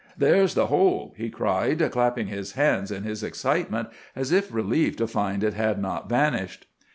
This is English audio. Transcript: "There's the hole!" he cried, clapping his hands in his excitement as if relieved to find it had not vanished.